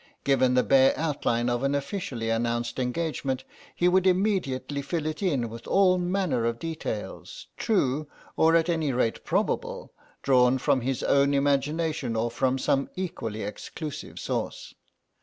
Given the bare outline of an officially announced engagement he would immediately fill it in with all manner of details, true or, at any rate, probable, drawn from his own imagination or from some equally exclusive source.